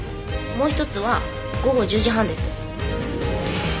もう一つは午後１０時半です。